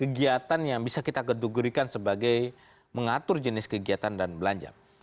kegiatan yang bisa kita gedekan sebagai mengatur jenis kegiatan dan belanja